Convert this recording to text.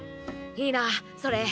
いいなそれ。